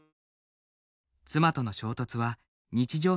妻との衝突は日常